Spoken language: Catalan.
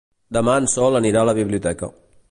Demà en Sol anirà a la biblioteca.